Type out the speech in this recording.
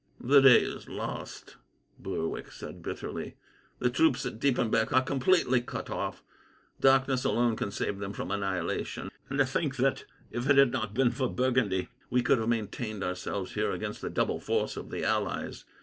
"The day is lost," Berwick said bitterly. "The troops at Diepenbeck are completely cut off. Darkness alone can save them from annihilation. And to think that, if it had not been for Burgundy, we could have maintained ourselves here against double the force of the allies!